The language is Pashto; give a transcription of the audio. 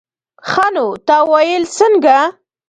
ښه نو تا ويل څنگه.